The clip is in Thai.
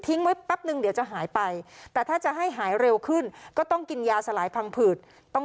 ไว้แป๊บนึงเดี๋ยวจะหายไปแต่ถ้าจะให้หายเร็วขึ้นก็ต้องกินยาสลายพังผืดต้อง